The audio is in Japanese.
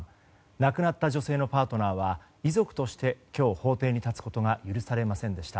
亡くなった女性のパートナーは遺族として今日、法廷に立つことが許されませんでした。